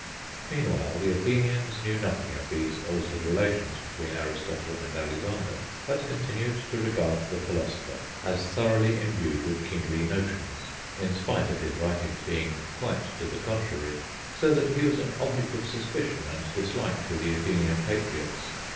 Meanwhile the Athenians knew nothing of these altered relations between Aristotle and Alexander, but continued to regard the philosopher as thoroughly imbued with kingly notions (in spite of his writings being quite to the contrary); so that he was an object of suspicion and dislike to the Athenian patriots.